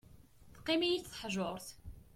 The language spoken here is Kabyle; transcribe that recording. Teqqim-iyi-d teḥjurt.